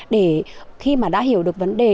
để khi mà đã hiểu được vấn đề